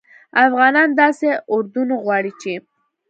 افغانان داسي اردو نه غواړي چې